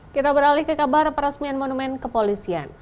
kita beralih ke kabar peresmian monumen kepolisian